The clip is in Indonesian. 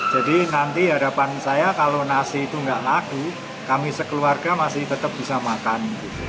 jadi nanti harapan saya kalau nasi itu tidak laku kami sekeluarga masih tetap bisa makan